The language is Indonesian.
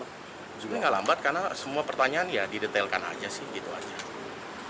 sebenarnya nggak lambat karena semua pertanyaan ya didetailkan aja sih gitu aja